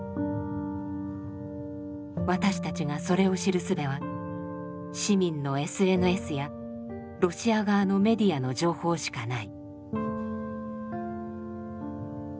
私たちがそれを知るすべは市民のＳＮＳやロシア側のメディアの情報しかない。